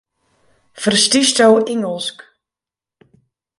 Ferstiesto Ingelsk?